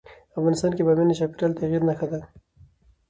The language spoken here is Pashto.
افغانستان کې بامیان د چاپېریال د تغیر نښه ده.